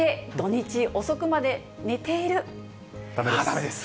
だめです。